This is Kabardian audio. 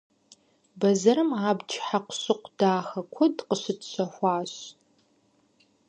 Бэзэрым абдж хьэкъущыкъу дахэ куэд къыщытщэхуащ.